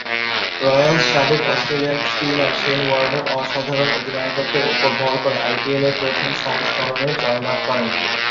Royals সাবেক Australian spinner Shane ওয়ার্নের অসাধারণ অধিনায়কত্বের উপর ভর করে আইপিএল এর প্রথম সংস্করণে জয়লাভ করেন।